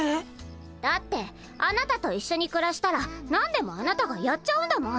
だってあなたと一緒にくらしたら何でもあなたがやっちゃうんだもん。